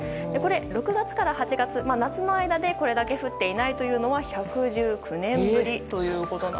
６月から８月の夏の間でこれだけ降っていないのは１１９年ぶりです。